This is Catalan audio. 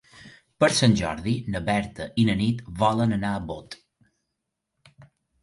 Per Sant Jordi na Berta i na Nit volen anar a Bot.